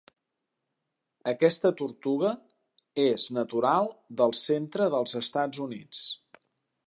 Aquesta tortuga és natural del centre dels Estats Units.